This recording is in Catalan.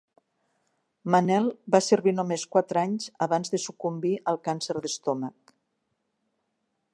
Manel va servir només quatre anys abans de sucumbir al càncer d'estómac.